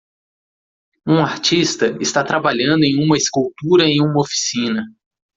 Um artista está trabalhando em uma escultura em uma oficina.